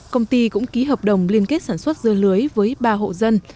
công ty cũng ký hợp đồng liên kết sản xuất dưa lưới với ba hộ dân